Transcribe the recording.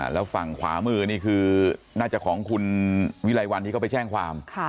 แล้วฝั่งขวามือนี่คือน่าจะของคุณวิไลวันที่เขาไปแจ้งความ